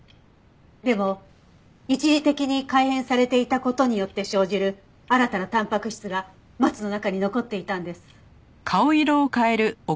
でも一時的に改変されていた事によって生じる新たなたんぱく質がマツの中に残っていたんです。